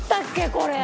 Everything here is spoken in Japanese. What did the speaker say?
これ。